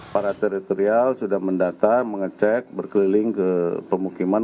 para teritorial sudah mendata mengecek berkeliling ke pemukiman